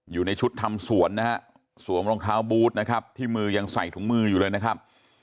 อยู่ในชุดทำสวนนะฮะสวมรองเท้าบูธนะครับที่มือยังใส่ถุงมืออยู่เลยนะครับ